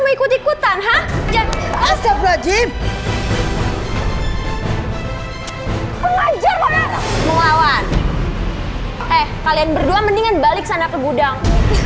mengikuti kutan hajab wajib pengajar mau lawan eh kalian berdua mendingan balik sana ke gudang